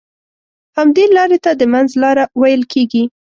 همدې لارې ته د منځ لاره ويل کېږي.